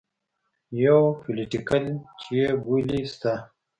يو پوليټيکل چې يې بولي سته.